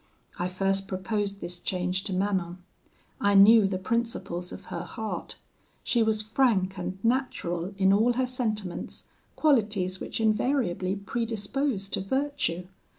I first proposed this change to Manon. I knew the principles of her heart; she was frank and natural in all her sentiments, qualities which invariably predispose to virtue.